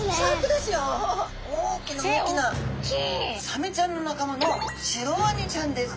サメちゃんの仲間のシロワニちゃんです。